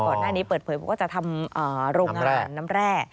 ก่อนหน้านี้เปิดโพยพวก็จะทำโรงงานน้ำแร่